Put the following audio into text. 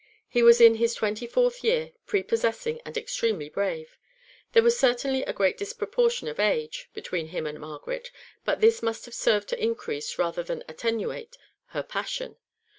He was in his twenty fourth year, prepossessing, and extremely brave. (1) There was certainly a great disproportion of age between him and Margaret, but this must have served to increase rather than attenuate her passion.